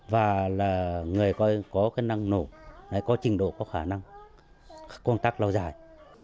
và là người có cái năng nổ có trình độ có khả năng công tác lâu dài